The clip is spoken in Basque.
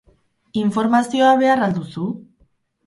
Informazioa behar al duzu?